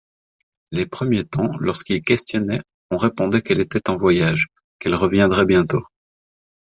Les premiers temps, lorsqu'il questionnait, on répondait qu'elle était en voyage, qu'elle reviendrait bientôt.